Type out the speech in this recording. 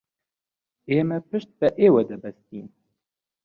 ئێمە پشت بە ئێوە دەبەستین.